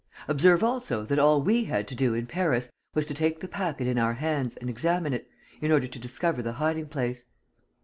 Observe also that all we had to do, in Paris, was to take the packet in our hands and examine it, in order to discover the hiding place.